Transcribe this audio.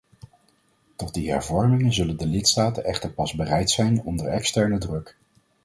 Tot die hervormingen zullen de lidstaten echter pas bereid zijn onder externe druk.